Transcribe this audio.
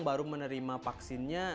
baru menerima vaksinnya